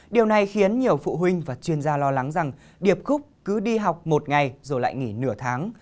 điều này khiến nhiều phụ huynh và chuyên gia lo lắng rằng điệp khúc cứ đi học một ngày rồi lại nghỉ nửa tháng